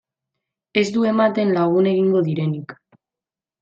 Ez du ematen lagun egingo direnik.